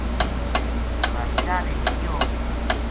بادشاہ نے کہیو